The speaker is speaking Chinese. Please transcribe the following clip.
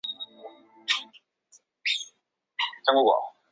樱前线来进行预测。